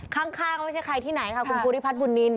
ข้างก็ไม่ใช่ใครที่ไหนค่ะคุณภูริพัฒนบุญนิน